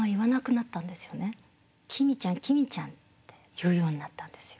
「きみちゃんきみちゃん」って言うようになったんですよ。